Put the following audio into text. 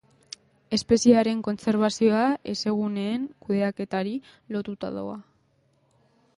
Espeziearen kontserbazioa hezeguneen kudeaketari lotuta doa.